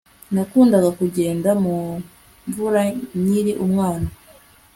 nakundaga kugenda mu mvura nkiri umwana